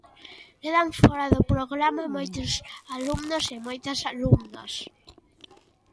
Quedan fóra do programa moitos alumnos e moitas alumnas.